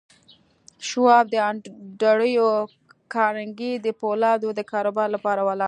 شواب د انډریو کارنګي د پولادو د کاروبار لپاره ولاړ